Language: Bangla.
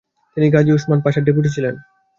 তিনি গাজী ওসমান পাশার ডেপুটি ছিলেন।